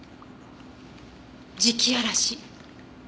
磁気嵐。